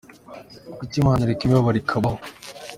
Kuki Imana ireka imibabaro ikabaho ?.